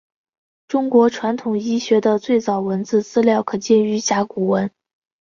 中国传统医学的最早文字资料可见于甲骨文。